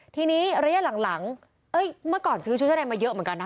ทีนี้ระยะหลังเมื่อก่อนซื้อชุดชั้นในมาเยอะเหมือนกันนะ